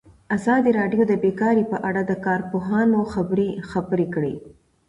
ازادي راډیو د بیکاري په اړه د کارپوهانو خبرې خپرې کړي.